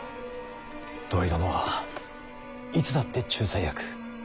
土肥殿はいつだって仲裁役。